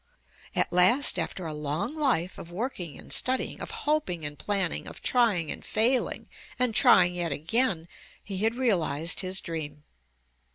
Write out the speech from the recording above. At last after a long life of working and studying, of hoping and planning, of trying and failing, and trying yet again, he had realized his dream.